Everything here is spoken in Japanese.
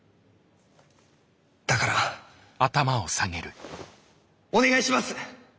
だからお願いします！